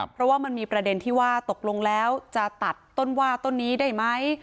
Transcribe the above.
เพราะว่ามันมีประเด็นที่ว่าตกลงแล้วจะตัดต้นว่าต้นนี้ได้ไหม